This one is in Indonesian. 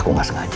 aku gak sengaja